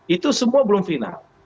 itu semua belum final